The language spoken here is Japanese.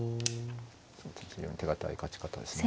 非常に手堅い勝ち方ですね。